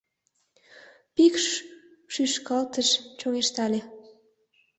Пикш шӱшкалтыш, чоҥештале